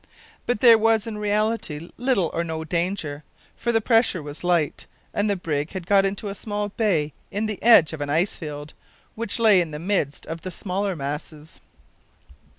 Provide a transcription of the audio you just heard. But there was in reality little or no danger, for the pressure was light, and the brig had got into a small bay in the edge of an ice field, which lay in the midst of the smaller masses.